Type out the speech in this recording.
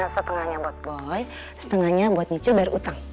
setengahnya buat boy setengahnya buat nyicil bayar utang